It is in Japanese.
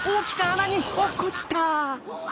うわ！